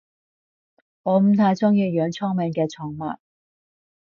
我唔太鍾意養聰明嘅寵物